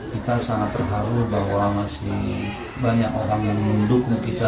kita sangat terharu bahwa masih banyak orang yang mendukung kita